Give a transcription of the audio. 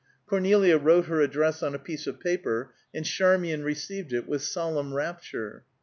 Cornelia wrote her address on a piece of paper, and Charmian received it with solemn rapture.